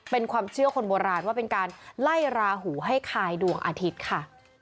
เป็นความเชื่อคนโบราณว่าเป็นการไล่ราหูให้คายดวงอาทิตย์ค่ะ